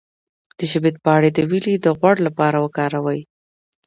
د شبت پاڼې د وینې د غوړ لپاره وکاروئ